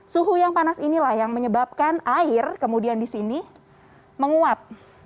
suhu yang panas inilah yang menyebabkan air kemudian di sini menguap